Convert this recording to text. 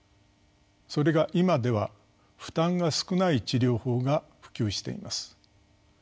それが今では負担が少ない治療法が普及しています。